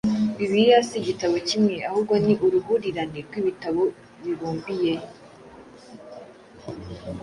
Bibiliya si igitabo kimwe ahubwo ni uruhurirane rw‟ibitabo bibumbiye